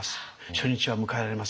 初日は迎えられません」。